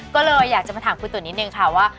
ก็เลยอยากจะมาถามคุณตุ๋นนิดนึงค่ะว่า